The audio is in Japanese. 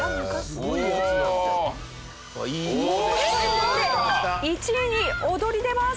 ここで１位に躍り出ます！